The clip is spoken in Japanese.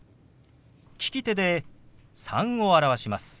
利き手で「３」を表します。